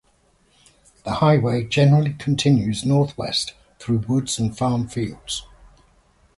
The highway generally continues northwest through woods and farm fields.